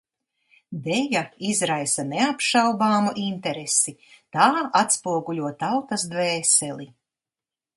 Deja izraisa neapšaubāmu interesi, tā atspoguļo tautas dvēseli.